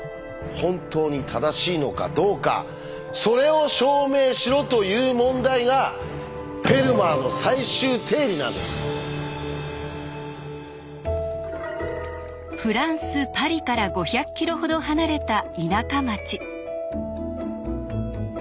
本当に正しいのかどうかそれを証明しろという問題がフランス・パリから５００キロほど離れた田舎町。